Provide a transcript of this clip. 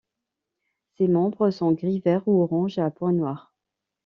Ses membres sont gris, verts, ou orange à points noirs.